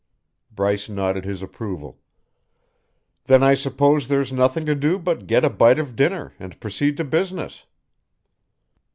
Bryce nodded his approval, "Then I suppose there's nothing to do but get a bite of dinner and proceed to business."